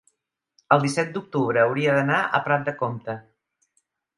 el disset d'octubre hauria d'anar a Prat de Comte.